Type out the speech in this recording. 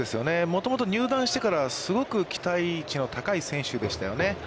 もともと入団してからすごく期待値の高い選手でしたよね。